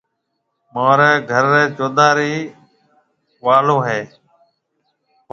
مهاريَ گهر ريَ چوڌارِي واݪو هيَ۔